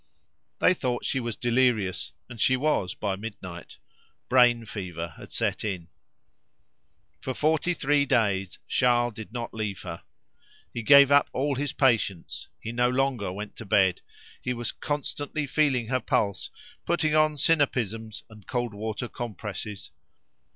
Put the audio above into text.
They thought she was delirious; and she was by midnight. Brain fever had set in. For forty three days Charles did not leave her. He gave up all his patients; he no longer went to bed; he was constantly feeling her pulse, putting on sinapisms and cold water compresses.